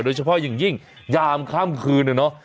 โดยเฉพาะอย่างยิ่งยามข้ามคืนเนอะ